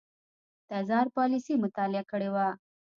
تزار پالیسي مطالعه کړې وه.